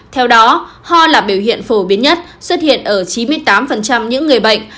theo đó ho là biểu hiện phổ biến nhất xuất hiện ở chín mươi tám những người bệnh